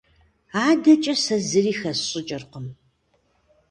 АдэкӀэ сэ зыри хэсщӀыкӀыркъым.